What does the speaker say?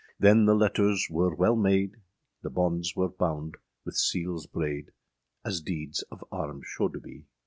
â Then the lettres wer wele made, The bondes wer bounde wyth seales brade, As deeds of arms sholde bee.